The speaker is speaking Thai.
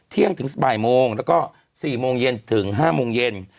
เที่ยงถึงบ่ายโมงแล้วก็๔โมงเย็นถึง๕โมงเย็น